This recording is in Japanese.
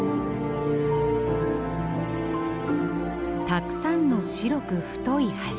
たくさんの白く太い柱。